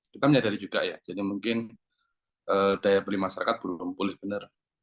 kita menyadari juga ya jadi mungkin daya beli masyarakat belum pulih benar